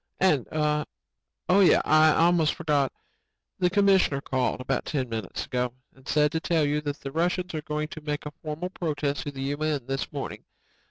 "And ... oh yeah, I almost forgot ... the commissioner called about ten minutes ago and said to tell you that the Russians are going to make a formal protest to the U.N. this morning.